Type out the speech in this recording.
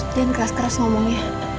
dian keras keras ngomongnya